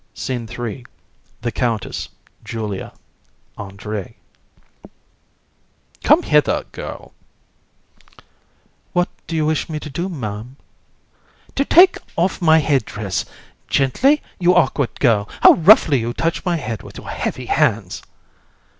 SCENE III. THE COUNTESS, JULIA, ANDRÉE. COUN. Come hither, girl. AND. What do you wish me to do, Ma'am? COUN. To take off my head dress. Gently, you awkward girl: how roughly you touch my head with your heavy hands!